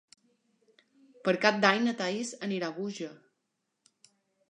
Per Cap d'Any na Thaís anirà a Búger.